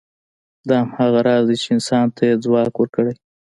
دا هماغه راز دی، چې انسان ته یې ځواک ورکړی.